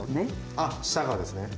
あっ下がですね。